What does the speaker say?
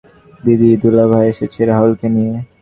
দিদি, দুলাভাই এসেছে রাহুলকে নিয়ে।